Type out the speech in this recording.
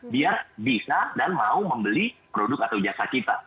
biar bisa dan mau membeli produk atau jasa kita